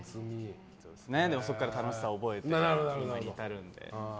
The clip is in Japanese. でも、そこから楽しさを覚えて今に至るので。